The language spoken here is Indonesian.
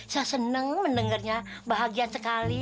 saya senang mendengarnya bahagia sekali